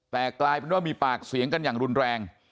แต่กลายเป็นว่ามีปากเสียงกันอย่างรุนแรง